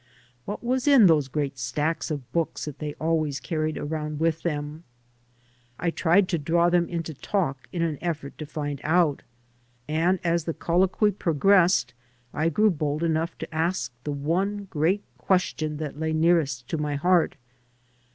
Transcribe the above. What was in those great stacks of books that they always carried around with them? I tried to draw them into talk in an effort to find out; and as the colloquy progressed I grew bold enough to ask the one great question that lay nearest my heart.